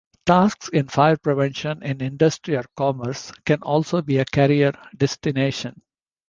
Tasks in fire prevention in industry or commerce can also be a career destination.